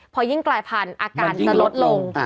พอยิ่งกลายพันธุ์อาการจะลดลง